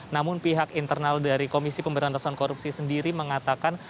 namun pihak internal dari komisi pemberantasan korupsi sendiri mengatakan